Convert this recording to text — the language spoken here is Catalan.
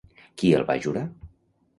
Qui el va jurar?